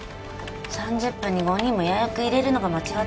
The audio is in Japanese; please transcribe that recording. ３０分に５人も予約入れるのが間違ってます。